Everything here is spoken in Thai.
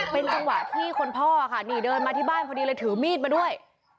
เป็นจังหวะที่คนพ่อค่ะนี่เดินมาที่บ้านพอดีเลยถือมีดมาด้วย